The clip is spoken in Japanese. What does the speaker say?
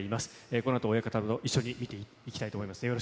このあと親方も一緒に見ていきたいと思います。